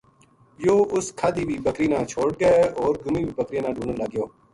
یوہ اُس کھادی وی بکری نا چھوڈ کے ہو ر گُمی وی بکریاں نا ڈُھونڈن لگ گیو